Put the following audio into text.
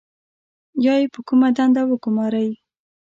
یا یې په کومه دنده وګمارئ.